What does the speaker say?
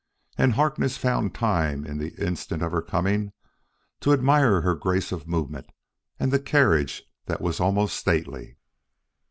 And Harkness found time in the instant of her coming to admire her grace of movement, and the carriage that was almost stately.